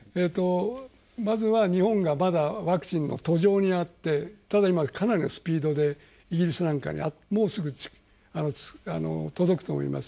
まずは日本がまだワクチンの途上にあってただ、今かなりのスピードでイギリスなんかにもうすぐ届くと思います。